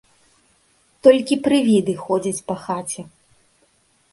Толькі прывіды ходзяць па хаце.